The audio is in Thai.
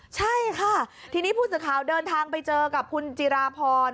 ใช่ค่ะทีนี้ผู้สื่อข่าวเดินทางไปเจอกับคุณจิราพร